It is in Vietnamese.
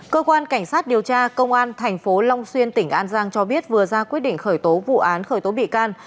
cơ quan cảnh sát điều tra công an tp long xuyên tỉnh an giang cho biết vừa ra quyết định khởi tố vụ án khởi tố bị can